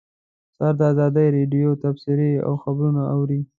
سهار د ازادۍ راډیو تبصرې او خبرونه اوري.